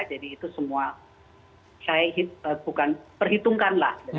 jadi itu semua saya perhitungkan lah